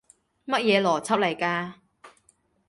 乜嘢邏輯嚟㗎？